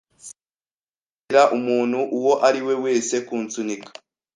Sinzemerera umuntu uwo ari we wese kunsunika.